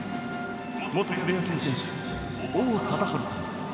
元プロ野球選手、王貞治さん。